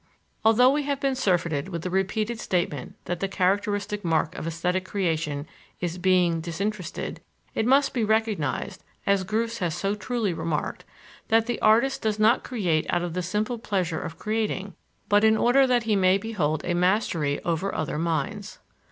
Although we have been surfeited with the repeated statement that the characteristic mark of esthetic creation is "being disinterested," it must be recognized, as Groos has so truly remarked, that the artist does not create out of the simple pleasure of creating, but in order that he may behold a mastery over other minds.